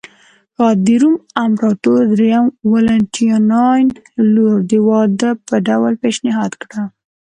د روم امپراتور درېیم والنټیناین لور د واده په ډول پېشنهاد کړه